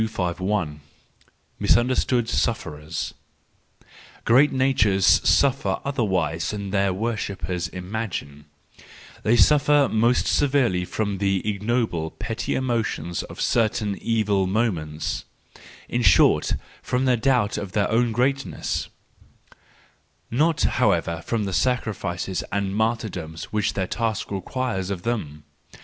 206 THE JOYFUL WISDOM, III 251. Misunderstood Sufferers .—Great natures suffer otherwise than their worshippers imagine; they suffer most severely from the ignoble, petty emo¬ tions of certain evil moments ; in short, from doubt of their own greatness;—not however from the sacrifices and martyrdoms which their tasks require of them.